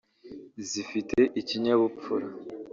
zifite ikinyabupfura